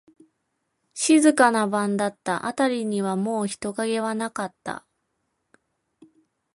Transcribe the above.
静かな晩だった。あたりにはもう人影はなかった。